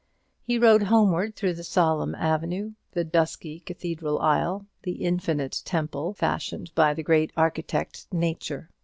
He rode homeward through the solemn avenue, the dusky cathedral aisle, the infinite temple, fashioned by the great architect Nature.